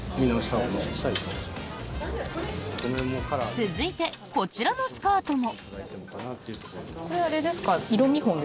続いてこちらのスカートも。